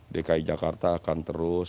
dki jakarta akan terus